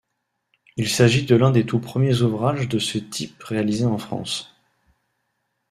Il s'agit de l'un des tout premiers ouvrages de ce type réalisés en France.